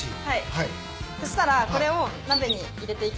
そしたらこれを鍋に入れていきます。